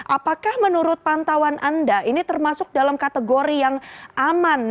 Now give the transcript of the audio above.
apakah menurut pantauan anda ini termasuk dalam kategori yang aman